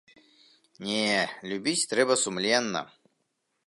Не любіць трэба сумленна.